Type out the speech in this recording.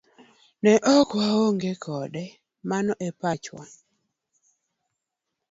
Ne ok waonge koda mano e pachwa.